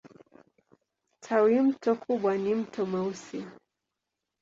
Tawimto kubwa ni Mto Mweusi.